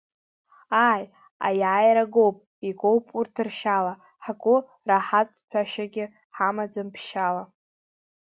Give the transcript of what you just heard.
Ааи, аиааира гоуп, игоуп урҭ ршьала, ҳгәы раҳаҭ ҭәашьагьы ҳамаӡам ԥшьала.